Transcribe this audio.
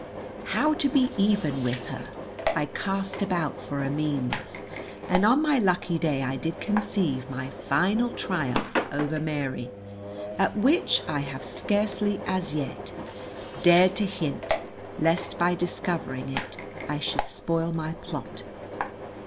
How to be even with her? I cast about for a means, and on my lucky day I did conceive my final triumph over Mary, at which I have scarcely as yet dared to hint, lest by discovering it I should spoil my plot.